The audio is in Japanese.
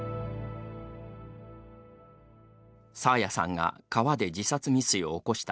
爽彩さんが川で自殺未遂をおこした